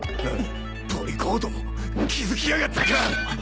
ポリ公ども気付きやがったか！